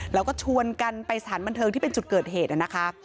แล้วก็ชวนกันไปสถานบันเทิงที่เป็นจุดเกิดเหตุนะคะ